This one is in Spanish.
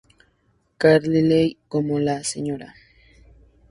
Carlyle como la Sra.